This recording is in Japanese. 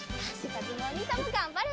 かずむおにいさんもがんばれ！